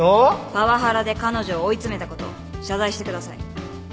パワハラで彼女を追い詰めたことを謝罪してください。